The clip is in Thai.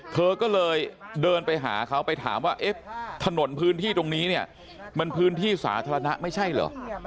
เธอก็เลยเดินไปหาเขาไปถามว่าเอ๊ะถนนพื้นที่ตรงนี้เนี่ยมันพื้นที่สาธารณะไม่ใช่เหรอ